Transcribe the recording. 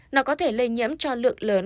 nó có thể lây nhiễm cho lượng lớn